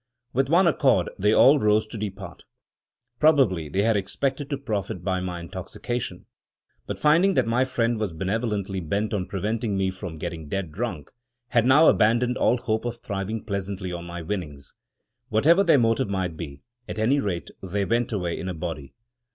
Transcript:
With one accord they all rose to depart. Probably they had expected to profit by my intoxication; but finding that my new friend was benevolently bent on preventing me from getting dead drunk, had now abandoned all hope of thriving pleasantly on my winnings. Whatever their motive might be, at any rate they went away in a body.